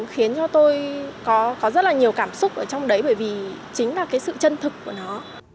khiến cho tôi có rất là nhiều cảm xúc ở trong đấy bởi vì chính là cái sự chân thực của nó